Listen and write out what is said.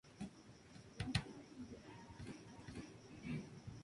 Los dos personajes parecen sostener o intercambiar objetos rituales.